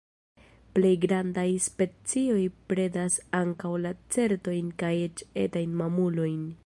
Plej grandaj specioj predas ankaŭ lacertojn kaj eĉ etajn mamulojn.